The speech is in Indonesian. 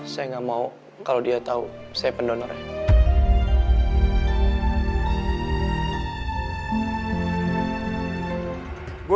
saya nggak mau kalau dia tahu saya pendonornya